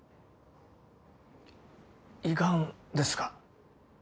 胃がんですか？